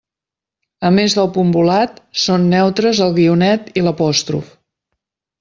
A més del punt volat, són “neutres” el guionet i l'apòstrof.